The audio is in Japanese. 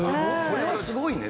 これはすごいね。